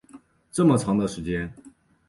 这么长的时间